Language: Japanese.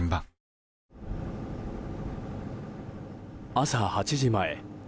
朝８時前。